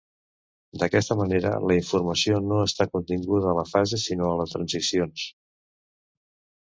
D’aquesta manera, la informació no està continguda a la fase, sinó a les transicions.